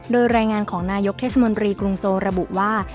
โดยรายงานของนายกเทศมนตรีกรุงโซระบุว่า